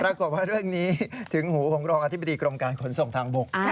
ปรากฏว่าเรื่องนี้ถึงหูของรองอธิบดีกรมการขนส่งทางบก